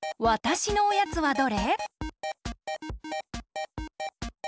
わたしのおやつは。